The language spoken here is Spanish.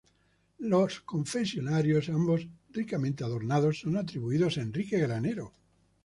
Los confesionarios, ambos ricamente adornados, son atribuidos a Enrique Granero.